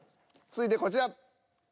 続いてこちら。